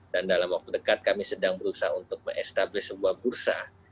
dan dalam waktu dekat kami sedang berusaha untuk men establish sebuah bursa